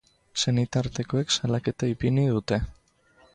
Senitartekoek salaketa ipini dute.